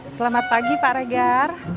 selamat pagi pak regar